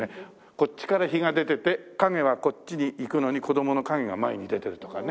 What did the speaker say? こっちから日が出てて影はこっちにいくのに子供の影が前に出てるとかね。